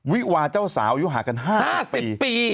วิวาเจ้าสาวยุหากัน๕๐ปี